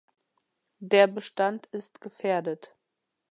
Der Bestand ist gefährdet.